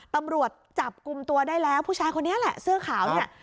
ตำรวจจับกลุ่มตัวได้แล้วผู้ชายคนนี้แหละเสื้อขาวเนี่ย